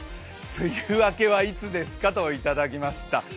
梅雨明けはいつですかといただきました。